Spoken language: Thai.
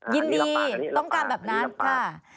ยินดีต้องการแบบนั้นค่ะ